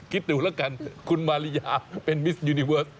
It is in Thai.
คิดดูแล้วกันคุณมาริยาเป็นมิสยูนิเวิร์ค